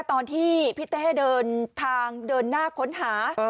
ตอนที่พี่เต้เดินทางเดินหน้าค้นหา